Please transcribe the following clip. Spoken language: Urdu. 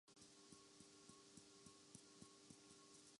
پاک ارمی اور پی سی بی الیون کا میچ جنرل راحیل نے افتتاح کیا